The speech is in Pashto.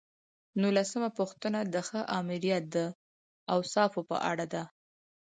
نولسمه پوښتنه د ښه آمریت د اوصافو په اړه ده.